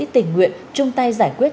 tình nguyện trung tay giải quyết